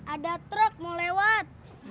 ada truk mau lewat